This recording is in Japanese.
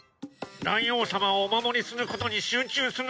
大王様をお守りすることに集中する